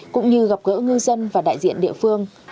cũng như gặp gỡ ngư dân và đại diện địa phương